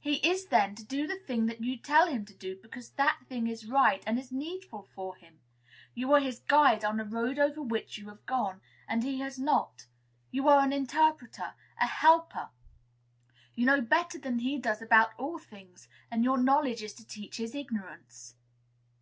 He is, then, to do the thing that you tell him to do, because that thing is right and is needful for him; you are his guide on a road over which you have gone, and he has not; you are an interpreter, a helper; you know better than he does about all things, and your knowledge is to teach his ignorance."